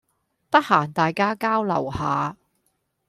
得閒大家交流下